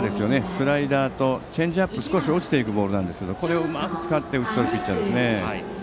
スライダーとチェンジアップが少し落ちていくボールですがこれをうまく使って打ち取るピッチャーです。